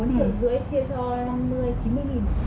đúng rồi đúng rồi